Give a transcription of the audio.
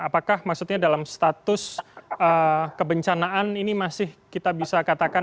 apakah maksudnya dalam status kebencanaan ini masih kita bisa katakan